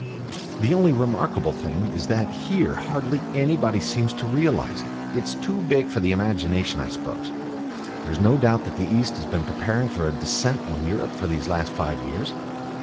"The only remarkable thing is that here hardly anybody seems to realise it. It's too big for the imagination, I suppose. There is no doubt that the East has been preparing for a descent on Europe for these last five years.